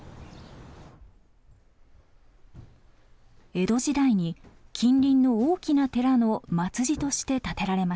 江戸時代に近隣の大きな寺の末寺として建てられました。